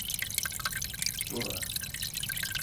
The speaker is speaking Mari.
— Дур-рак!